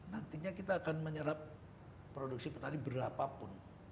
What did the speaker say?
nantinya kita akan menyerap produksi petani berapapun